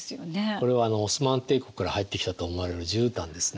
これはオスマン帝国から入ってきたと思われるじゅうたんですね。